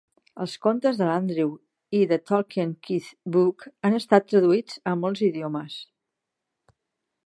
Els contes de l'Andrew i 'The Tolkien Quiz Book' han estat traduïts a molts idiomes.